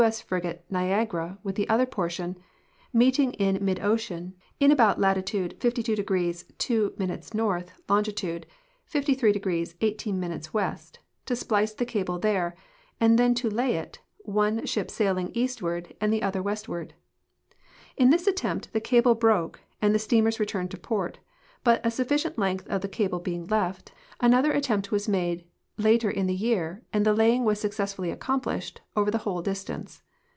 8. frigate Xiagara, with the other portion, meeting in mid ocean, in about latitude 52° 02' north, longitude 33° 18' west, to splice the cable there, and then to lay it, one shi]) sailing eastward and the other westward. In this attempt also the cable broke and the steam ers returned to port, but a sufficient length of cable being left, another attempt was made later in the year and the laying was successful!}^ accomplished over the whole distance.